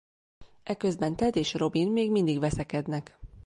Eközben Ted és Robin még mindig veszekednek.